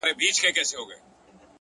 خدايه زما پر ځای ودې وطن ته بل پيدا که’